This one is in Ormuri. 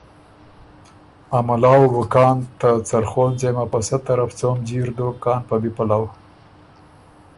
ا مُلا وه بو کان ته څرخول ځېمه په سۀ طرف څوم جیر دوک کان په بی پَلؤ۔